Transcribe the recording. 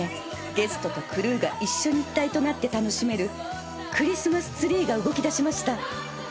ゲストとクルーが一緒に一体となって楽しめるクリスマスツリーが動きだしました］